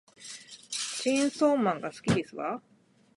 チェーンソーマンが好きですわ